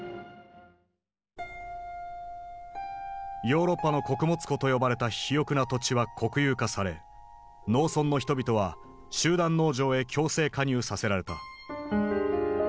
「ヨーロッパの穀物庫」と呼ばれた肥沃な土地は国有化され農村の人々は集団農場へ強制加入させられた。